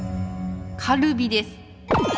カルビです！